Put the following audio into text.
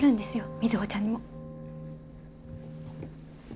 瑞穂ちゃんにも。